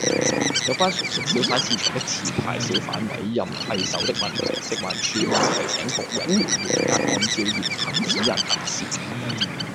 有關熟食小販市場的持牌小販委任替手的問題，食環署已提醒各人員嚴格按照現行指引行事